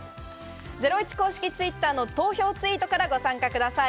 ゼロイチ公式Ｔｗｉｔｔｅｒの投票ツイートからご参加ください。